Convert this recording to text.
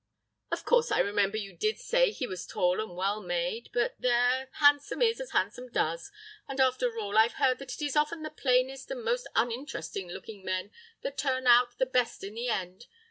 "Of course, I remember you did say he was tall and well made. But there, handsome is as handsome does; and, after all, I've heard that it is often the plainest and most uninteresting looking men that turn out the best in the end.